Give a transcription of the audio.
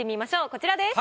こちらです。